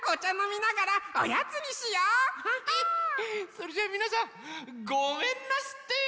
それじゃあみなさんごめんなすって。